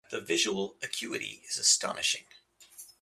The visual acuity is astonishing.